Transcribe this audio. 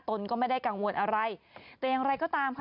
ตนก็ไม่ได้กังวลอะไรแต่อย่างไรก็ตามค่ะ